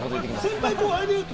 先輩・後輩で言うと？